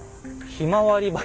ひまわり畑。